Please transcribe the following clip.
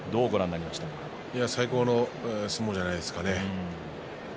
最高の相撲じゃないですかね。